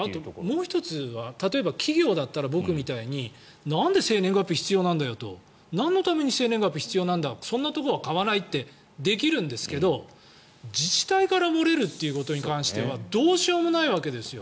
もう１つは例えば企業だったら僕みたいになんで生年月日必要なんだよとなんのために生年月日が必要なんだそんなところは買わないとできるんですけど自治体から漏れるということに関してはどうしようもないわけですよ。